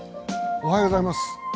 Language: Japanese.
おはようございます。